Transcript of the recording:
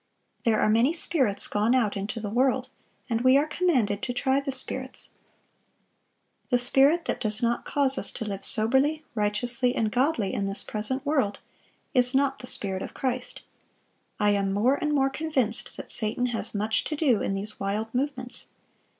'... There are many spirits gone out into the world; and we are commanded to try the spirits. The spirit that does not cause us to live soberly, righteously, and godly, in this present world, is not the Spirit of Christ. I am more and more convinced that Satan has much to do in these wild movements....